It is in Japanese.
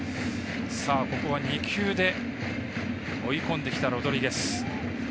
ここは２球で追い込んできたロドリゲス。